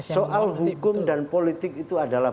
soal hukum dan politik itu adalah